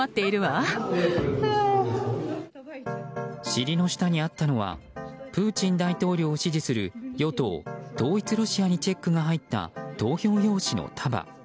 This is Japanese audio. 尻の下にあったのはプーチン大統領を支持する与党・統一ロシアにチェックが入った投票用紙の束。